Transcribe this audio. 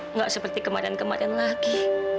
nggak seperti kemarin kemarin lagi